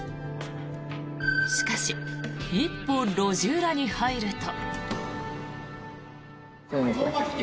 しかし、一歩路地裏に入ると。